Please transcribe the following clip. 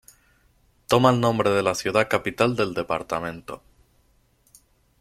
Toma el nombre de la ciudad capital del departamento.